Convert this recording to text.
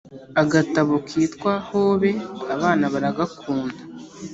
agatabo kitwa hobe abana baragakunda